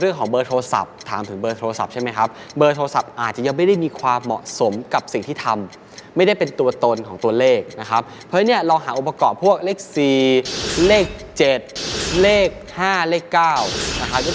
เบอร์โทรศัพท์ถามถึงเบอร์โทรศัพท์ใช่ไหมครับเบอร์โทรศัพท์อาจจะยังไม่ได้มีความเหมาะสมกับสิ่งที่ทำไม่ได้เป็นตัวตนของตัวเลขนะครับเพราะฉะนั้นเนี่ยเราหาองค์ประกอบพวกเลข๔เลข๗เลข๕เลข๙นะครับ